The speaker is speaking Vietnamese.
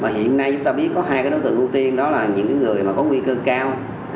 hiện nay chúng ta biết có hai đối tượng ưu tiên đó là những người mà có nguy cơ cao